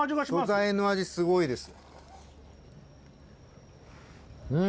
素材の味すごいです。